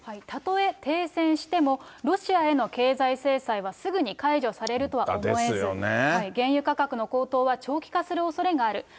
たとえ停戦しても、ロシアへの経済制裁はすぐに解除されるとは思えず、原油価格の高騰は長期化するおそれがある。